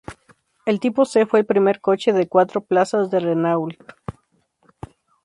El tipo C fue el primer coche de cuatro plazas de Renault.